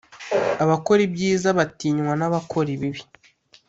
abakora ibyiza batinywa n’abakora ibibi .